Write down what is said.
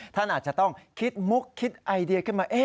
ท่านอาจจะต้องคิดมุกคิดไอเดียขึ้นมา